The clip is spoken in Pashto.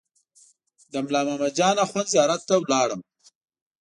د ملا محمد جان اخوند زیارت ته ولاړم.